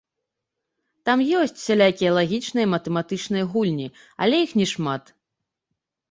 Там ёсць усялякія лагічныя, матэматычныя гульні, але іх не шмат.